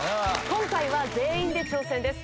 今回は全員で挑戦です。